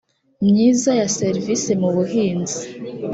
myiza ya serivise mubuhinzi